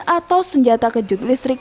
atau senjata kejut listrik